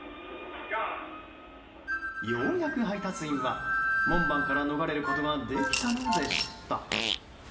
ようやく配達員は、門番から逃れることができたのでした。